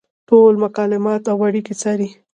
ټول مکالمات او اړیکې څاري.